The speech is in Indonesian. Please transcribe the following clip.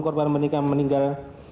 korban menikah meninggal